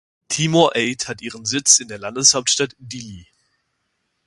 Timor Aid hat ihren Sitz in der Landeshauptstadt Dili.